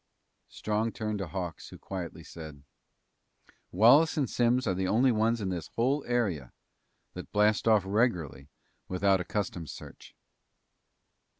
Strong turned to Hawks who said quietly, "Wallace and Simms are the only ones in this whole area that blast off regularly without a customs search."